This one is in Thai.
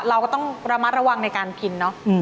เราก็ต้องระมัดระวังในการกินเนอะ